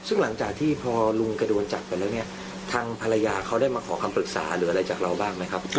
ซึ่งหลังจากที่พอลุงแกโดนจับไปแล้วเนี่ยทางภรรยาเขาได้มาขอคำปรึกษาหรืออะไรจากเราบ้างไหมครับ